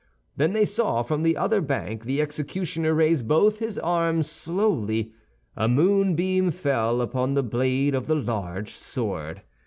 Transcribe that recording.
Then they saw from the other bank the executioner raise both his arms slowly; a moonbeam fell upon the blade of the large sword.